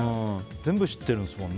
全部知ってるんですもんね